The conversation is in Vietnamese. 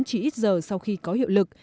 chỉ ít giờ sau khi có hiệu lực